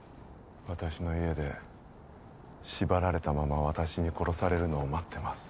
私の家で縛られたまま私に殺されるのを待ってます